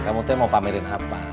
kamu mau pamerin apa